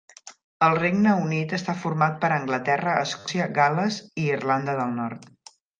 El Regne Unit està format per Anglaterra, Escòcia, Gal·les i Irlanda del Nord.